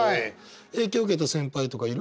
影響受けた先輩とかいる？